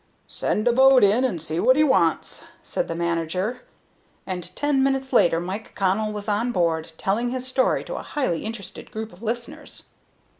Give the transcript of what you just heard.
"Send a boat in and see what he wants," said the manager; and ten minutes later Mike Connell was on board, telling his story to a highly interested group of listeners.